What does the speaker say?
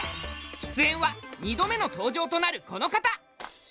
出演は２度目の登場となるこの方！